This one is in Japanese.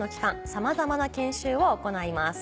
さまざまな研修を行います。